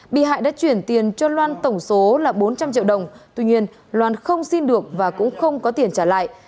bị hại đã chuyển tiền cho loan tổng số là bốn trăm linh triệu đồng tuy nhiên loan không xin được và cũng không có tiền trả lại